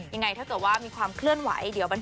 ยังไงถ้าเกิดว่ามีความเคลื่อนไหว